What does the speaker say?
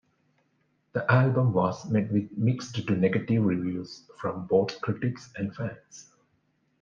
The album was met with mixed to negative reviews from both critics and fans.